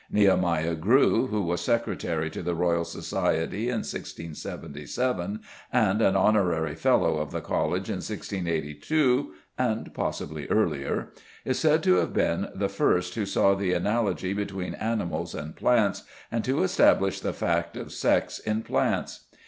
=Nehemiah Grew=, who was secretary to the Royal Society in 1677, and an honorary Fellow of the College in 1682 (and possibly earlier), is said to have been the first who saw the analogy between animals and plants, and to establish the fact of sex in plants.